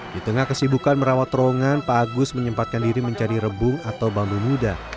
di tengah kesibukan merawat terowongan pak agus menyempatkan diri mencari rebung atau bambu muda